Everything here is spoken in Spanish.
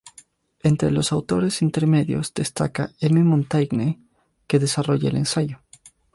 Entre los autores intermedios destaca M. Montaigne, que desarrolla el ensayo.